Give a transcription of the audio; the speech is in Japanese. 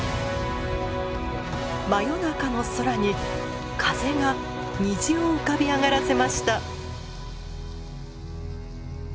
真夜中の空に風が虹を浮かび上がらせました。